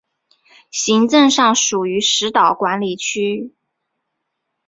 行政上属于石岛管理区。